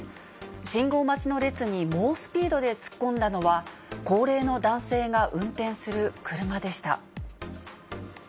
信号待ちの列に猛スピードで突っ込んだのは、高齢の男性が運転する車でした。